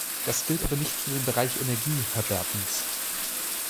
Das gilt aber nicht für den Bereich Energie, Herr Bertens.